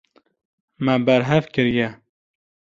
Min berhev kiriye.